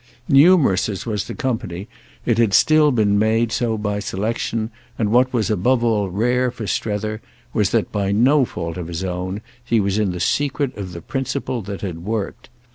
Numerous as was the company, it had still been made so by selection, and what was above all rare for Strether was that, by no fault of his own, he was in the secret of the principle that had worked.